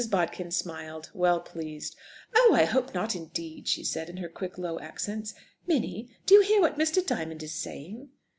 Bodkin smiled, well pleased. "Oh, I hope not, indeed!" she said in her quick, low accents. "Minnie! Do you hear what Mr. Diamond is saying?"